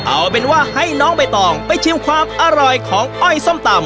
เอาเป็นว่าให้น้องใบตองไปชิมความอร่อยของอ้อยส้มตำ